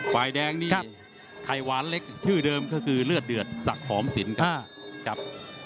ฝ่ายแดงนี่ไข่หวานเล็กชื่อเดิมก็คือเลือดเดือดสักหอมสินครับ